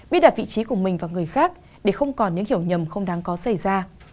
biết đặt vị trí của mình và người khác để không còn những hiểu nhầm không đáng có xảy ra